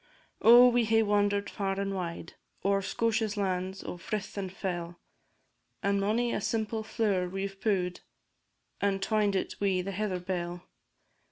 Oh, we hae wander'd far and wide, O'er Scotia's lands o' frith and fell! And mony a simple flower we 've pu'd, And twined it wi' the heather bell.